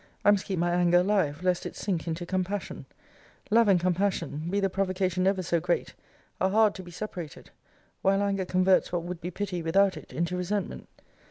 I must keep my anger alive, lest it sink into compassion. Love and compassion, be the provocation ever so great, are hard to be separated: while anger converts what would be pity, without it, into resentment.